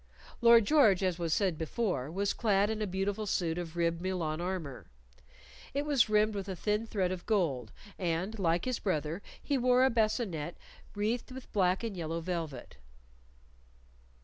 Lord George, as was said before, was clad in a beautiful suit of ribbed Milan armor. It was rimmed with a thin thread of gold, and, like his brother, he wore a bascinet wreathed with black and yellow velvet.